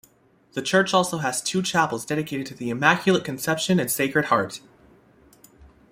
The church also has two chapels dedicated to the Immaculate Conception and Sacred Heart.